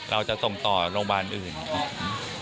เราจะส่งต่อโรงพยาบาลอื่นอีก